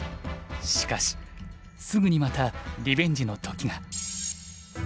しかしすぐにまたリベンジの時が。